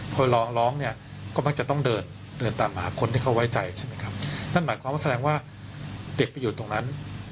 พอร้องก็ไม่ก็จะต้องเดินน่าจะต้องมาตามคนที่เขาไว้ใจใช่ไหมครับมันหมายความแสดงว่าเด็กไปอยู่ตรงนั้น